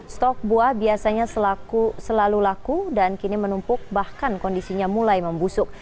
stok buah biasanya selalu laku dan kini menumpuk bahkan kondisinya mulai membusuk